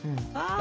あ！